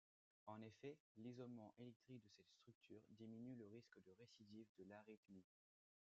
En effet, l'isolement électrique de cette structure diminue le risque de récidive de l'arythmie.